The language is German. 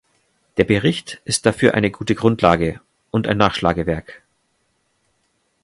Der Bericht ist dafür eine gute Grundlage und ein Nachschlagewerk.